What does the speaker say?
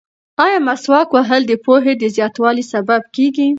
ایا مسواک وهل د پوهې د زیاتوالي سبب کیږي؟